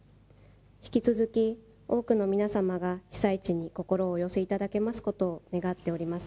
引き続き、多くの皆様が被災地に心をお寄せいただけますことを願っております。